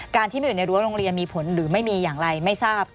ที่ไม่อยู่ในรั้วโรงเรียนมีผลหรือไม่มีอย่างไรไม่ทราบ